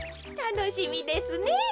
たのしみですね。